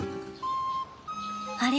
あれ？